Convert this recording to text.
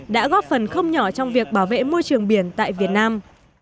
đã góp phần không nhỏ trong việc bảo vệ môi trường biển tại việt nam